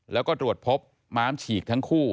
แล้วก็ตรวจพบม้ามฉีกทั้งคู่